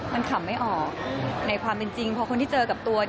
มันขำไม่ออกในความเป็นจริงเพราะคนที่เจอกับตัว